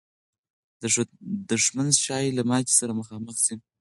دښمن ښایي له ماتې سره مخامخ سي.